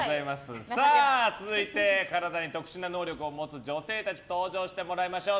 続いて体に特殊な能力を持つ女性たち登場してもらいましょう。